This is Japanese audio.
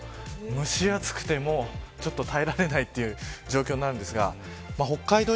蒸し暑くて耐えられないという状況になるんですが北海道